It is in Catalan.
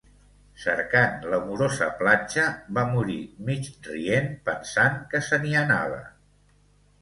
Cercant l’amorosa platja, va morir mig-rient, pensant que se n’hi anava.